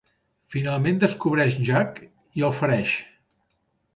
Finalment descobreix Jack i el fereix.